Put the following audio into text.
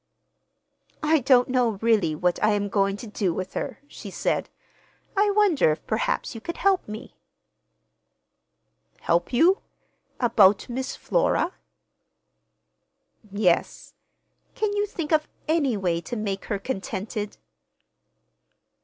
"I don't know, really, what I am going to do with her," she said. "I wonder if perhaps you could help me." "Help you?—about Miss Flora?" "Yes. Can you think of any way to make her contented?"